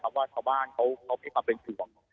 เพราะว่าชาวบ้านเขามีความเป็นส่วน